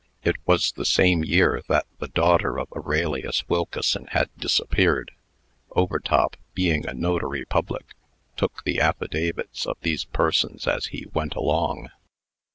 It was the same year that the daughter of Aurelius Wilkeson had disappeared. Overtop, being a Notary Public, took the affidavits of these persons as he went along.